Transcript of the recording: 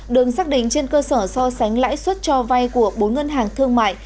đường xác định trên cơ sở so sánh lãi suất cho vay của bốn ngân hàng thương mại